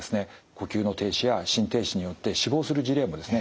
呼吸の停止や心停止によって死亡する事例もですね